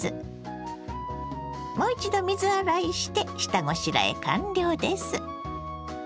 もう一度水洗いして下ごしらえ完了です。